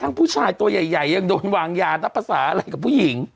ผู้ชายตัวใหญ่ยังโดนวางยานับภาษาอะไรกับผู้หญิง